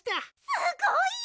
すごいよ！